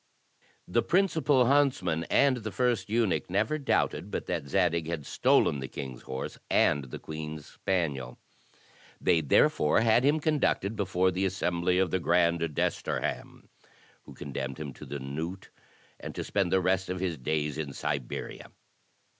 The principal himtsman and the first eunuch never doubted but that Zadig had stolen the king's horse and the queen's spaniel. They therefore had him conducted before the assembly of the grand desterham who condemned him to the knout, and to spend the rest of his days in Siberia.